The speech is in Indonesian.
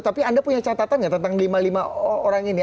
tapi anda punya catatannya tentang lima lima orang ini